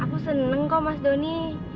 aku seneng kok mas doni